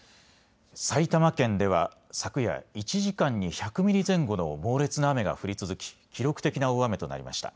埼玉県では昨夜１時間に１００ミリ前後の猛烈な雨が降り続き記録的な大雨となりました。